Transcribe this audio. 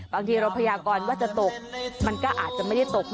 บางทีเราพยากรว่าจะตกมันก็อาจจะไม่ได้ตก